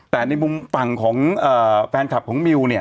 แต่ในมุมฝั่งของแฟนคลับของมิวเนี่ย